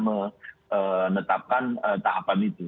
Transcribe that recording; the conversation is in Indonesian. menetapkan tahapan itu